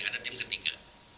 ada tim ketiga